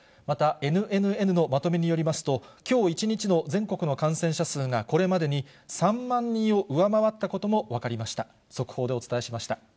またＮＮＮのまとめによりますと、きょう１日の全国の感染者数が、これまでに３万人を上回ったことも分かりました。